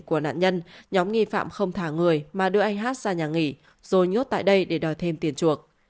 của nạn nhân nhóm nghi phạm không thả người mà đưa anh hát ra nhà nghỉ rồi nhốt tại đây để đòi thêm tiền chuộc